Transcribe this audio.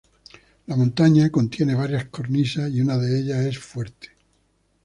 La montaña contiene varias cornisas y una de ellas es fuerte.